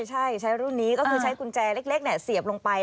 ใช่ใช้รุ่นนี้ก็คือใช้กุญแจเล็กเสียบลงไป